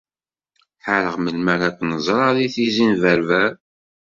Ḥareɣ melmi ara ken-ẓreɣ deg Tizi n Berber.